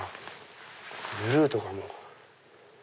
ブルーとかも。